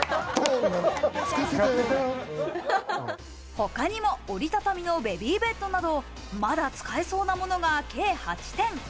他にも折り畳みのベビーベッドなど、まだまだ使えそうなものが計８点。